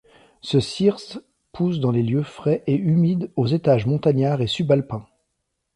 Ce cirse pousse dans les lieux frais et humides aux étages montagnard et subalpin.